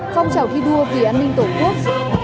phong trào thi đua vì an ninh tổ quốc